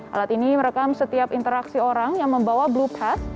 alat ini merekam setiap interaksi orang yang membawa blue pass